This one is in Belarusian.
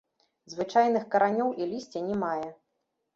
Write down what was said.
Звычайных каранёў і лісця не мае.